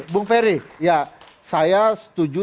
bung ferry ya saya setuju